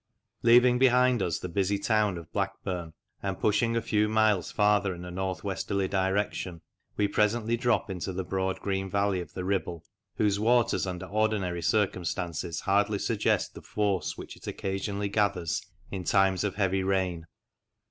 Leaving behind us the busy town of Blackburn, and pushing a few miles farther in a north westerly direction, we presently drop into the broad green valley of the Ribble, whose waters under ordinary circumstances hardly suggest the force which it occasionally gathers in times of heavy rain.